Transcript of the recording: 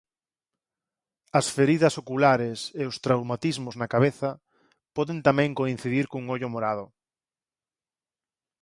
As feridas oculares e os traumatismos na cabeza poden tamén coincidir cun ollo morado.